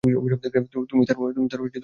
তুমি তার ফোন কেনো ধরছো?